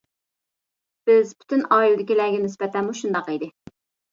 بىز پۈتۈن ئائىلىدىكىلەرگە نىسبەتەنمۇ شۇنداق ئىدى.